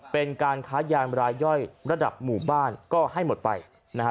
เป็นการค้ายางรายย่อยระดับหมู่บ้านก็ให้หมดไปนะฮะ